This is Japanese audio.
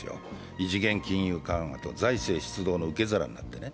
異次元金融緩和と財政出動の受け皿となって。